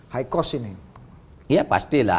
high cost ini ya pasti lah